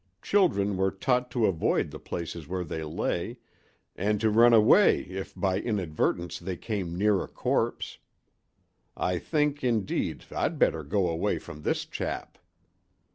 Children were taught to avoid the places where they lay, and to run away if by inadvertence they came near a corpse. I think, indeed, I'd better go away from this chap."